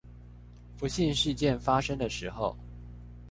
不幸事件發生的時候